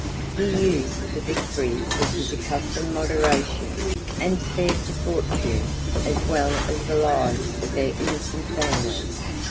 He used the victory with his accustomed moderation, and spared the fortune, as well as the lives of their innocent families.